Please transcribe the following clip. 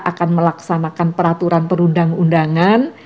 akan melaksanakan peraturan perundang undangan